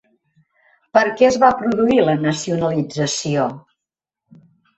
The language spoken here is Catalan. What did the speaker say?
Per què es va produir la nacionalització?